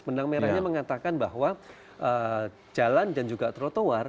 benang merahnya mengatakan bahwa jalan dan juga trotoar